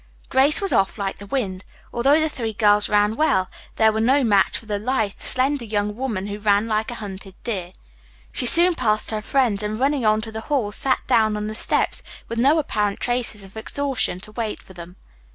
Grace was off like the wind. Although the three girls ran well they were no match for the lithe, slender young woman who ran like a hunted deer. She soon passed her friends and running on to the hall sat down on the steps with no apparent traces of exhaustion to wait for them.